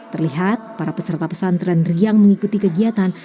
terlihat para peserta pesantren riang mengikuti kegiatan